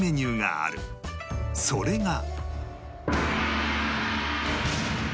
それが